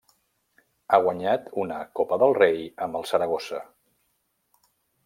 Ha guanyat una Copa del Rei amb el Saragossa.